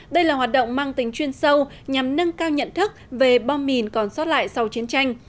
đây là hoạt động mang tính chuyên sâu nhằm nâng cao nhận thức về bom mìn còn sót lại sau chiến tranh